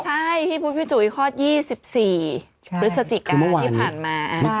ใช่พี่พุธพี่จุยคลอดยี่สิบสี่ใช่ภรรยาศจิกาที่ผ่านมาฮะ